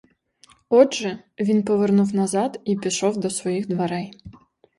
Отже, він повернув назад і пішов до своїх дверей.